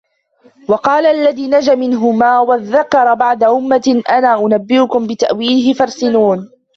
وَقَالَ الَّذِي نَجَا مِنْهُمَا وَادَّكَرَ بَعْدَ أُمَّةٍ أَنَا أُنَبِّئُكُمْ بِتَأْوِيلِهِ فَأَرْسِلُونِ